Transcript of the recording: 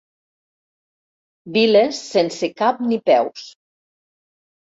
Viles sense cap ni peus.